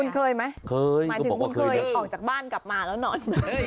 คุณเคยไหมเคยหมายถึงคุณเคยออกจากบ้านกลับมาแล้วนอนไหม